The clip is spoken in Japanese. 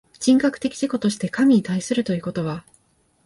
人格的自己として神に対するということは、